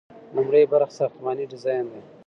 لومړی برخه ساختماني ډیزاین دی.